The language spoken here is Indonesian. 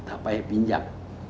tak payah pinjam